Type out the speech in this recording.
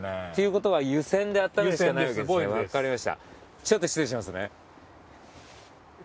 ちょっと失礼しますね。